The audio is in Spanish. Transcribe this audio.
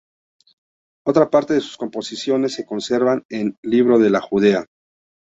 Otra parte de sus composiciones se conservan en "Libro de la Judea".